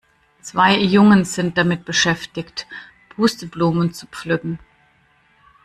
Zwei Jungen sind damit beschäftigt, Pusteblumen zu pflücken.